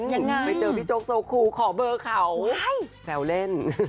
ไปเจอพี่โจ๊กโซคูขอเบอร์เขาแซวเล่น